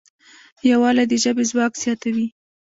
یووالی د ژبې ځواک زیاتوي.